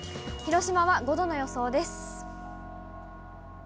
広島は５度の予想です。